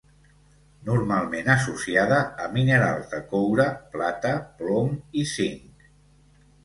Normalment associada a minerals de coure, plata, plom i zinc.